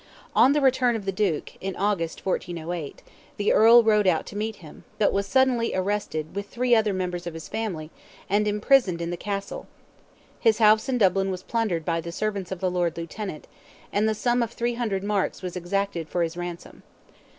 On the return of the Duke, in August, 1408, the Earl rode out to meet him, but was suddenly arrested with three other members of his family, and imprisoned in the Castle, His house in Dublin was plundered by the servants of the Lord Lieutenant, and the sum of 300 marks was exacted for his ransom.